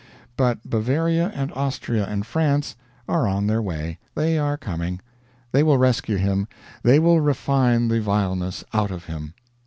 But Bavaria and Austria and France are on their way. They are coming. They will rescue him; they will refine the vileness out of him.